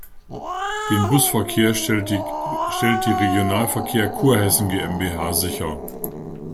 Den Busverkehr stellt die Regionalverkehr Kurhessen GmbH sicher.